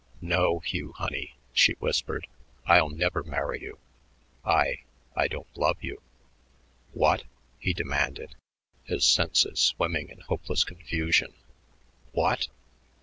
"No, Hugh honey," she whispered; "I'll never marry you. I I don't love you." "What?" he demanded, his senses swimming in hopeless confusion. "What?"